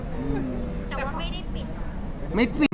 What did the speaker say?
แต่ว่าไม่ได้ปิด